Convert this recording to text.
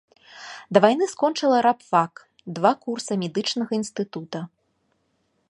Да вайны скончыла рабфак, два курса медычнага інстытута.